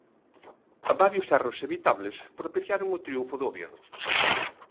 Varios erros evitables propiciaron o triunfo do Oviedo.